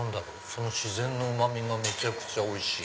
その自然のうまみがめちゃくちゃおいしい。